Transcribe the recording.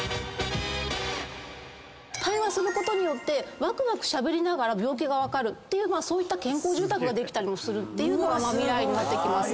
対話することによってわくわくしゃべりながら病気が分かるそういった健康住宅ができたりもするっていうのが未来になってきますね。